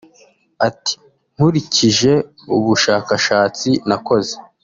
Ati "Nkurikije ubushakashatsi nakoze